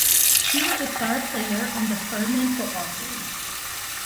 He was a star player on the Furman football team.